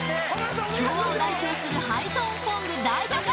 昭和を代表するハイトーンソング「大都会」